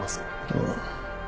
ああ。